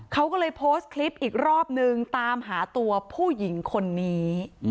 เขาก็เลยโพสต์คลิปอีกรอบนึงตามหาตัวผู้หญิงคนนี้